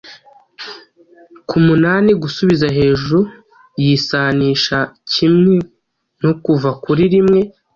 ku “umunani” gusubiza hejuru yisanisha kimwe no kuva kuri rimwe